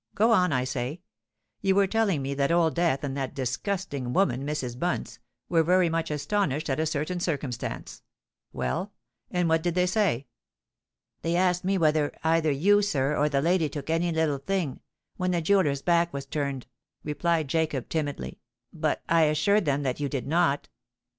Go on, I say. You were telling me that Old Death and that disgusting woman, Mrs. Bunce, were very much astonished at a certain circumstance. Well—and what did they say?" "They asked me whether either you, sir, or the lady took any little thing—when the jeweller's back was turned," replied Jacob, timidly; "but I assured them that you did not."